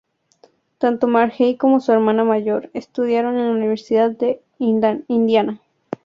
Tanto Margery como su hermana mayor estudiaron en la Universidad de Indiana.